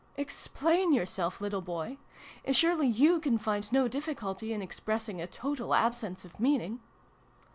" Explain yourself, little boy ! Surely you can find no difficulty in expressing a total absence of meaning